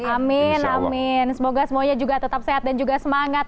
amin amin semoga semuanya juga tetap sehat dan juga semangat